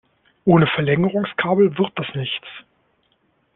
Ohne Verlängerungskabel wird das nichts.